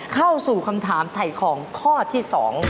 เข้าสู่คำถามถ่ายของข้อที่๒